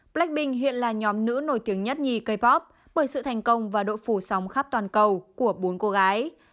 blackpink hiện là nhóm nữ nổi tiếng nhất nhì k pop bởi sự thành công và độ phủ sóng khắp toàn cầu của bốn cô gái